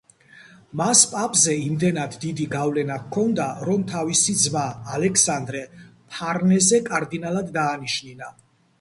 მას პაპზე იმდენად დიდი გავლენა ჰქონდა, რომ თავისი ძმა, ალესანდრო ფარნეზე კარდინალად დაანიშნინა.